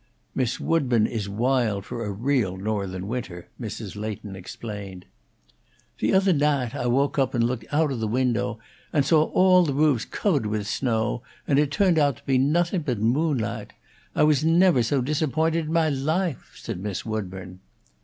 "Miss Woodburn is wild for a real Northern winter," Mrs. Leighton explained. "The othah naght Ah woke up and looked oat of the window and saw all the roofs covered with snow, and it turned oat to be nothing but moonlaght. Ah was never so disappointed in mah lahfe," said Miss Woodburn.